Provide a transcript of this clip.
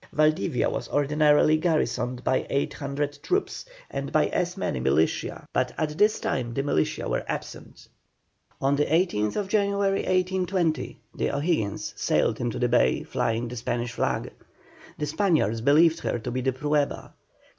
Valdivia was ordinarily garrisoned by 800 troops and by as many militia, but at this time the militia were absent. On the 18th January, 1820, the O'Higgins sailed into the bay, flying the Spanish flag. The Spaniards believed her to be the Prueba.